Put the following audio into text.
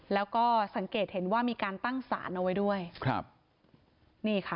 แล้วก็สังเกตเห็นว่ามีการตั้งสารเอาไว้ด้วยครับนี่ค่ะ